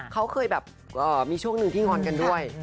เขาเคยแบบมีช่วงหนึ่งที่งอนกันด้วย